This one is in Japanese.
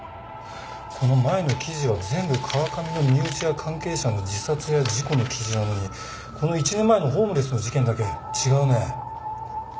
この前の記事は全部川上の身内や関係者の自殺や事故の記事なのにこの１年前のホームレスの事件だけ違うね。